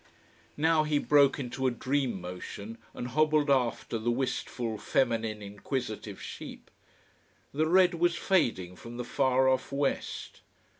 Now he broke into a dream motion and hobbled after the wistful, feminine, inquisitive sheep. The red was fading from the far off west.